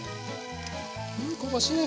う香ばしい！